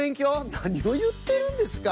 なにをいってるんですか？